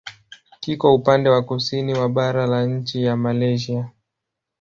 Kiko upande wa kusini wa bara la nchi ya Malaysia.